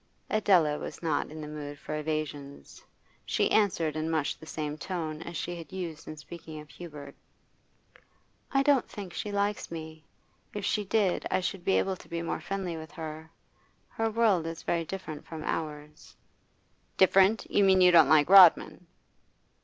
Adela was not in the mood for evasions; she answered in much the same tone as she had used in speaking of Hubert. 'I don't think she likes me. If she did, I should be able to be more friendly with her. Her world is very different from ours.' 'Different? You mean you don't like Rodman?